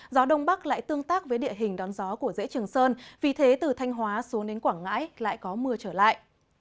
vì vậy tương tác với địa hình đón gió của dễ trường sơn vì thế từ thanh hóa xuống đến quảng ngãi lại có mưa trở lại